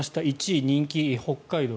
１位、人気、北海道